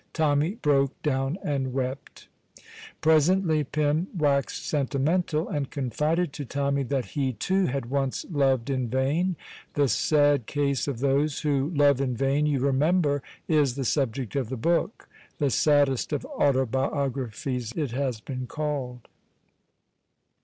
Tommy broke down and wept. Presently Pym waxed sentimental and confided to Tommy that he, too, had once loved in vain. The sad case of those who love in vain, you remember, is the subject of the book. The saddest of autobiographies, it has been called.